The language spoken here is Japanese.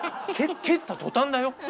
蹴った途端だよ？